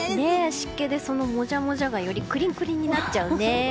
湿気で、そのもじゃもじゃがよりクリンクリンになっちゃうね。